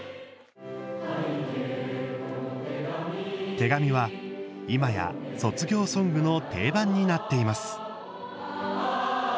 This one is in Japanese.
「手紙」は今や卒業ソングの定番になっています。